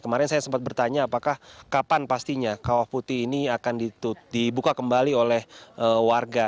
kemarin saya sempat bertanya apakah kapan pastinya kawah putih ini akan dibuka kembali oleh warga